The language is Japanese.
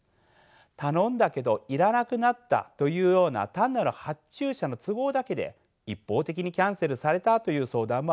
頼んだけど要らなくなったというような単なる発注者の都合だけで一方的にキャンセルされたという相談もあります。